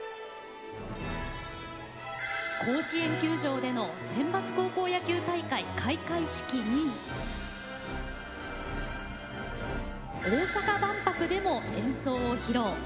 甲子園球場での選抜高校野球大会開会式に大阪万博でも演奏を披露。